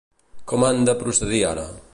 Com han de procedir ara?